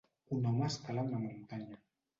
Un home escala una muntanya.